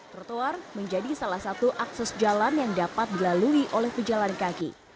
trotoar menjadi salah satu akses jalan yang dapat dilalui oleh pejalan kaki